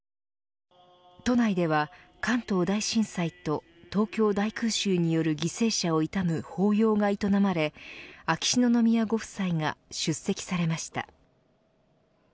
都内では、関東大震災と東京大空襲による犠牲者を悼む法要が営まれ秋篠宮ご夫妻が出席されました。